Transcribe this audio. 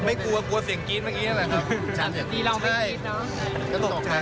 ไม่กลัวกลัวเสียงกรี๊ดเมื่อกี้นั่นแหละครับ